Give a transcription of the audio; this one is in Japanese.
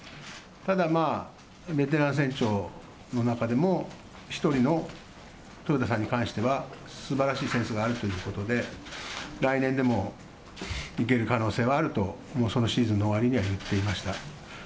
ただ、ベテラン船長の中でも、一人の、豊田さんに関してはすばらしいセンスがあるということで、来年でもいける可能性はあると、そのシーズンの終わりには言っておりました。